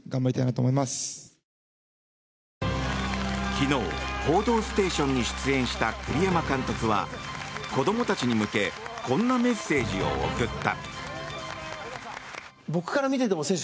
昨日、「報道ステーション」に出演した栗山監督は子どもたちに向けこんなメッセージを送った。